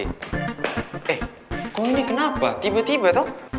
eh kok ini kenapa tiba tiba toh